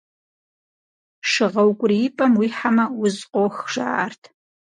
Шы гъэукӏуриипӏэм уихьэмэ, уз къох, жаӏэрт.